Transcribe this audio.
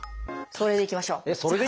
「それでいきましょう」？